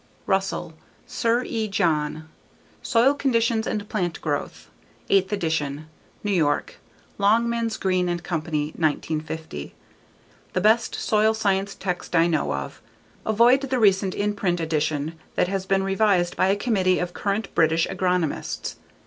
Russell, Sir E. John. Soil Conditions and Plant Growth. Eighth Ed., New York: Longmans, Green & Co., 1950. The best soil science text I know of. Avoid the recent in print edition that has been revised by a committee of current British agronomists.